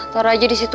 taruh aja disitu